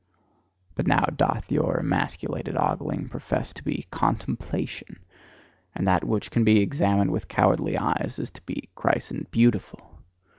But now doth your emasculated ogling profess to be "contemplation!" And that which can be examined with cowardly eyes is to be christened "beautiful!"